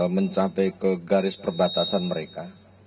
mencapai ke garis perbatasan mereka